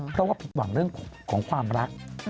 เพราะว่าผิดหวังเรื่องของความรัก